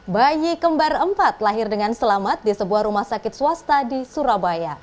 bayi kembar empat lahir dengan selamat di sebuah rumah sakit swasta di surabaya